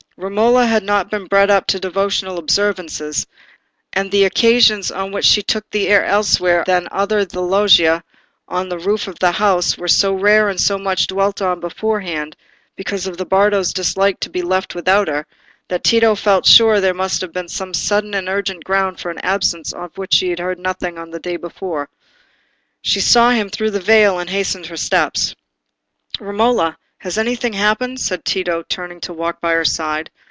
Romola had not been bred up to devotional observances, and the occasions on which she took the air elsewhere than under the loggia on the roof of the house, were so rare and so much dwelt on beforehand, because of Bardo's dislike to be left without her, that Tito felt sure there must have been some sudden and urgent ground for an absence of which he had heard nothing the day before. She saw him through her veil and hastened her steps. "Romola, has anything happened?" said Tito, turning to walk by her side.